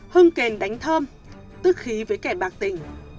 hưng kền đánh thơm tức khí với kẻ bạc tỉnh